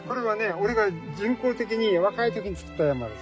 俺が人工的に若い時に造った山です。